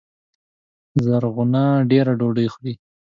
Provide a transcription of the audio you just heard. زرغونه دېره ډوډۍ خوري